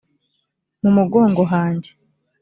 mu mugongo hanjye